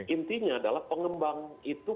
intinya adalah pengembang itu